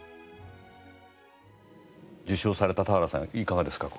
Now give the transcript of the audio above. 受賞された田原さんいかがですか？